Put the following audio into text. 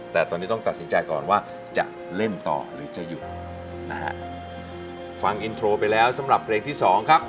แต่ตอนนี้ต้องตัดสินใจก่อนว่าจะเล่นต่อหรือจะหยุดนะฮะฟังอินโทรไปแล้วสำหรับเพลงที่สองครับ